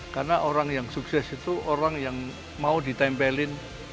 karena orang yang sukses itu orang yang mau ditempelin